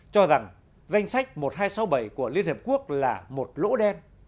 cho rằng danh sách một nghìn hai trăm sáu mươi bảy của liên hiệp quốc là một lỗ đen